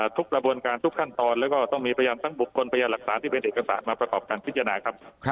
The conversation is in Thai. กระบวนการทุกขั้นตอนแล้วก็ต้องมีพยานทั้งบุคคลพยานหลักฐานที่เป็นเอกสารมาประกอบการพิจารณาครับ